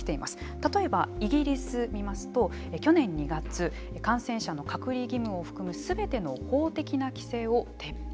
例えば、イギリスを見ますと去年２月感染者の隔離義務を含むすべての法的な規制を撤廃。